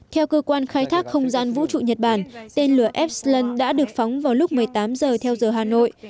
theo cơ quan khai thác không gian vũ trụ nhật bản tên lửa epsland đã được phóng vào lúc một mươi tám giờ theo giờ hà nội